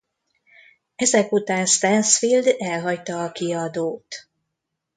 Ezek után Stansfield elhagyta a kiadót.